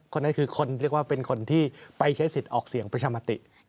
คนนั้นคือคนเรียกว่าเป็นคนที่ไปใช้สิทธิ์ออกเสียงประชามติ